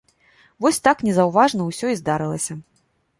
Вось так незаўважна усё і здарылася.